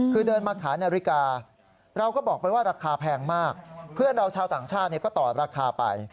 คือเดินมาขายนาฬิกาเราก็บอกไปว่าราคาแพงมากเพื่อนเราชาวต่างชาติก็ต่อราคาไป